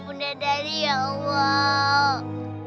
bunda dari ya allah